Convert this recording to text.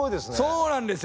そうなんですよ。